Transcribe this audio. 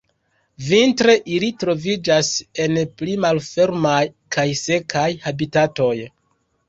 Vintre ili troviĝas en pli malfermaj kaj sekaj habitatoj.